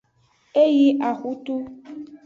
E yi axutu.